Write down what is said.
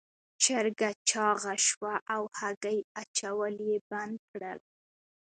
چرګه چاغه شوه او هګۍ اچول یې بند کړل.